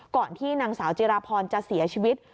ก่อนที่นางสาวจิราพรจะเสียชีวิต